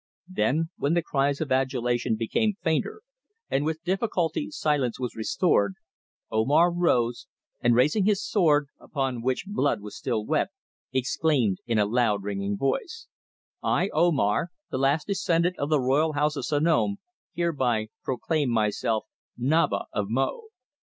Then, when the cries of adulation became fainter, and with difficulty silence was restored, Omar rose, and raising his sword, upon which blood was still wet, exclaimed in a loud, ringing voice: "I, Omar, the last descendant of the royal house of Sanom, hereby proclaim myself Naba of Mo."